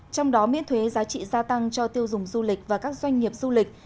trong đó miễn thuế giá trị gia tăng cho tiêu dùng du lịch và các doanh nghiệp du lịch